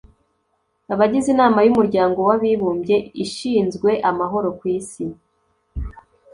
abagize inama y'umuryango w'abibumbye ishinzwe amahoro ku isi,